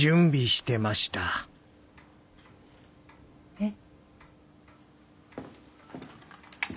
えっ？